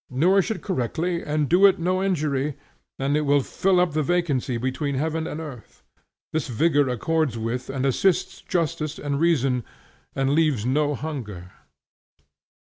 Nourish it correctly and do it no injury, and it will fill up the vacancy between heaven and earth. This vigor accords with and assists justice and reason, and leaves no hunger."